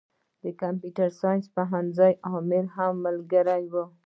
د کمپيوټر ساينس پوهنځي امر هم ملګری و.